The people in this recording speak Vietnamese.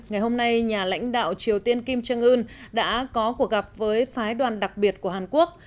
ngày hôm nay nhà lãnh đạo triều tiên kim jong un đã có cuộc gặp với phái đoàn đặc biệt của hàn quốc